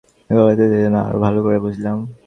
এই গভীর রাত্রিতে তা যেন আরো ভালো করে বুঝলাম।